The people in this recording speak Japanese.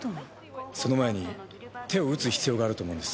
その前に手を打つ必要があると思うんです。